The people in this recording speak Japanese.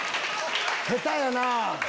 下手やな！